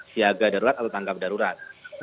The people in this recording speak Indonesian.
siaga darurat atau tanggap darurat